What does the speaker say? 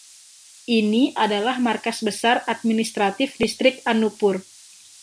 Ini adalah markas besar administratif Distrik Anuppur.